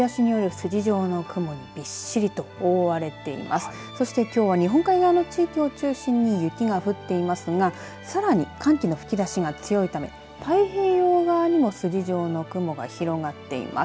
そしてきょうは日本海側の地域を中心に雪が降っていますがさらに寒気の吹き出しが強いため太平洋側にも筋状の雲が広がっています。